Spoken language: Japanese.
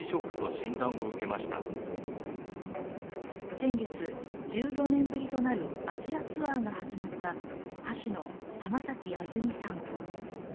先月、１４年ぶりとなるアジアツアーが始まった歌手の浜崎あゆみさん。